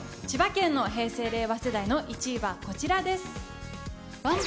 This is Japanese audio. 千葉県の平成・令和世代の１位はこちらです。